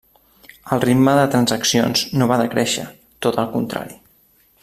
El ritme de transaccions no va decréixer, tot el contrari.